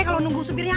kalau nunggu supirnya